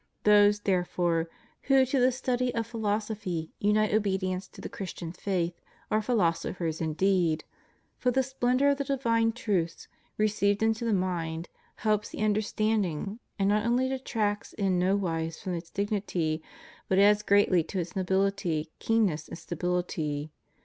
Those, therefore, who to the study of philosophy unite obedience to the Christian faith are philosophers indeed; for the splendor of the divine truths, received into the mind, helps the understanding, and not only detracts in nowise from its dignity, but adds greatly to its nobility, keenness, and stability.